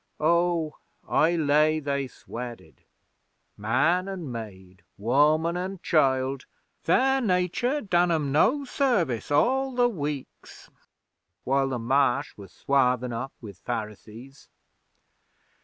Oh, I lay they sweated! Man an' maid, woman an' child, their nature done 'em no service all the weeks while the Marsh was swarvin' up with Pharisees.